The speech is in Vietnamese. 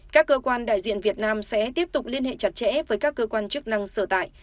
các cơ quan đại diện việt nam sẽ tiếp tục liên hệ chặt chẽ với các cơ quan chức năng sở tại